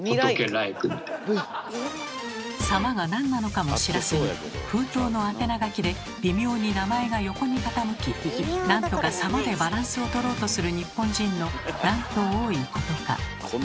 「様」がなんなのかも知らずに封筒の宛名書きで微妙に名前が横に傾きなんとか「様」でバランスを取ろうとする日本人のなんと多いことか。